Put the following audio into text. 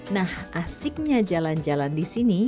nah asiknya jalan jalan di sini